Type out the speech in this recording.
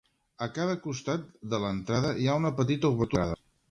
A cada costat de l'entrada hi ha una petita obertura quadrada.